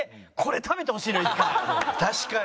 確かに。